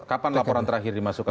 kapan laporan terakhir dimasukkan